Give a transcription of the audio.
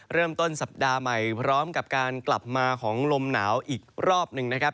เริ่มต้นสัปดาห์ใหม่พร้อมกับการกลับมาของลมหนาวอีกรอบหนึ่งนะครับ